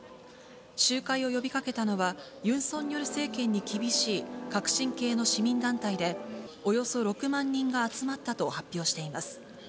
集会を呼びかけたのは、ユン・ソンニョル政権に厳しい革新系の市民団体で、およそ６万人が集まったと発表しています。